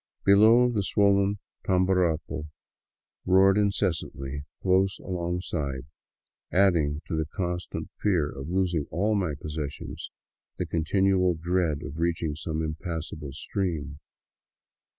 Below, the swollen Tamborapo roared incessantly close alongside, adding to the constant fear of losing all my possessions the continual dread of reach ing some impassable stream.